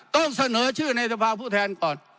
ต้องเสนอชื่อในสภาพผู้แทนก่อน